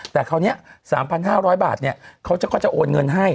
แต่คราวนี้๓๕๐๐บาทเขาก็จะโอนเงินให้